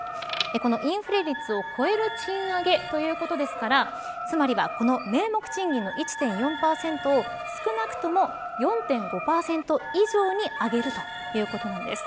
インフレ率を超える賃上げということですからつまりは名目賃金の１．４％を少なくとも４．５％以上に上げるということなんです。